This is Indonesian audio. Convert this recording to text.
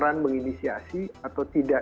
ini menang sekulah sekulah lima belas